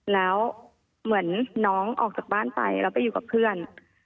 แล้วเหมือนน้องออกจากบ้านไปแล้วไปอยู่กับเพื่อน